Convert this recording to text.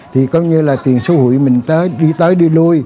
thì có như là tiền số hủy mình tới đi tới đi lui